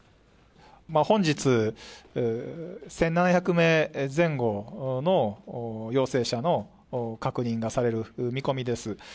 本日、１７００名前後の陽性者の確認がされる見込みです。